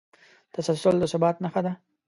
تسلسل د ثبات نښه ده.